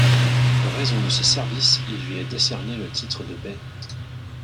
En raison de ses services, il lui est décerné le titre de bey.